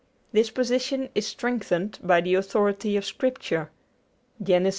This position is strengthened by the authority of Scripture (Gen. ii.